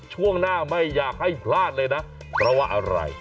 ช่วงหน้าไม่อยากให้พลาดเลยนะ